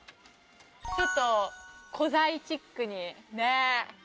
ちょっと古材チックにね。